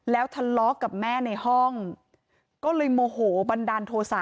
แล้วทะเลาะกับแม่ในห้องก็เลยโมโหบันดาลโทษะ